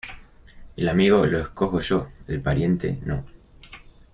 El amigo, lo escojo yo, el pariente, no.